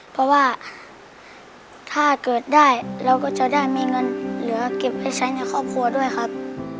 เพราะว่าถ้าเกิดได้เราก็จะได้มีเงินเหลือเก็บไว้ใช้ในครอบครัวด้วยครับ